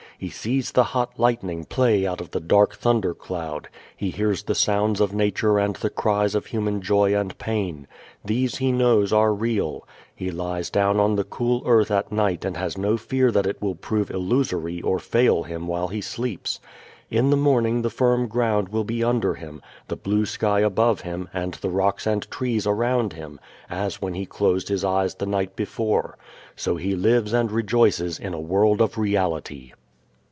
He sees the hot lightning play out of the dark thundercloud. He hears the sounds of nature and the cries of human joy and pain. These he knows are real. He lies down on the cool earth at night and has no fear that it will prove illusory or fail him while he sleeps. In the morning the firm ground will be under him, the blue sky above him and the rocks and trees around him as when he closed his eyes the night before. So he lives and rejoices in a world of reality.